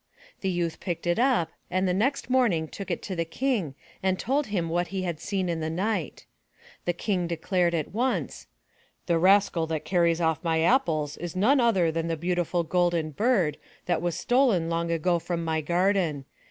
The youth picked it up and the next morning took it to the King and told him what he had seen in the night. The King declared at once: *The rascal that carries off my apples is none other than the beautiful Golden Bird that was stolen long ago from my garden.